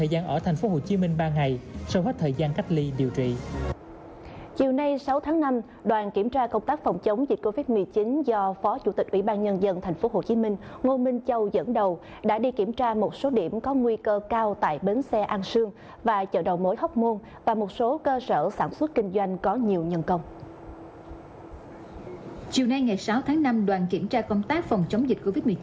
đoàn kiểm tra công tác phòng chống dịch covid một mươi chín